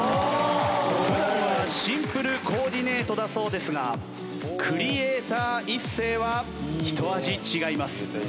普段はシンプルコーディネートだそうですがクリエーター一世はひと味違います。